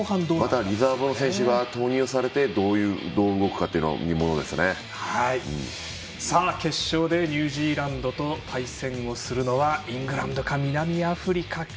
またリザーブの選手が投入されて、どう動くかも決勝でニュージーランドと対戦するのはイングランドか南アフリカか。